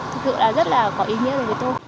thực sự là rất là có ý nghĩa cho người tôi